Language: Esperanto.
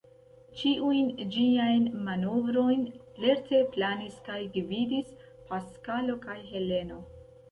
Ĉiujn ĝiajn manovrojn lerte planis kaj gvidis Paskalo kaj Heleno.